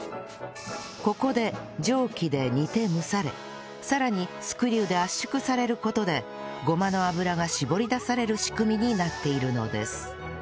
ここで蒸気で煮て蒸されさらにスクリューで圧縮される事でごまの油が搾り出される仕組みになっているのです